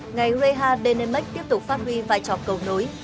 ngày reha denemek tiếp tục phát huy vai trò cầu nối